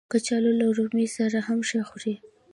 کچالو له رومي سره هم ښه خوري